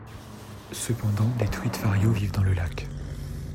Cependant, des truites farios vivent dans le lac.